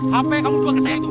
handphone kamu jual ke saya itu